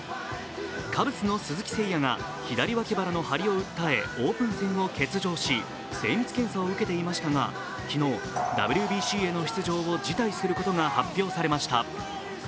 カブスの鈴木誠也が左脇腹の張りを訴え、オープン戦を欠場し精密検査を受けていましたが昨日ＷＢＣへの出場を辞退することが発表されました。